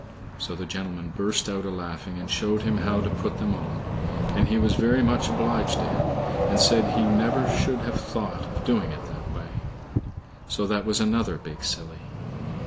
So the gentleman burst out a laughing, and showed him how to put them on; and he was very much obliged to him, and said he never should have thought of doing it that way. So that was another big silly.